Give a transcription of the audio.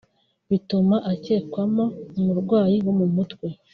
bituma akekwamo umurwayi wo mu mutwe